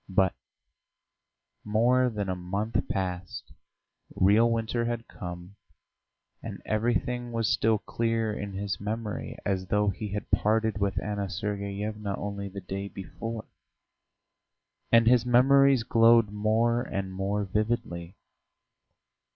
But more than a month passed, real winter had come, and everything was still clear in his memory as though he had parted with Anna Sergeyevna only the day before. And his memories glowed more and more vividly.